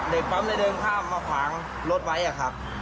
เด็กปั๊มเลยเดินข้ามมาขวางรถไว้อะครับ